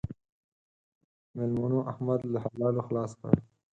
مېلمنو؛ احمد له حلالو خلاص کړ.